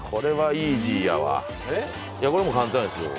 これ簡単ですよ。